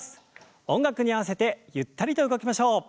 音楽に合わせてゆったりと動きましょう。